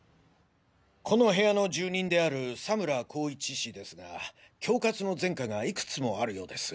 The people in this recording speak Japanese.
この部屋の住人である佐村功一氏ですが恐喝の前科がいくつもあるようです。